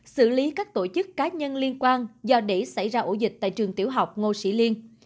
xử lý các tổ chức cá nhân liên quan do để xảy ra ổ dịch tại trường tiểu học ngô sĩ liên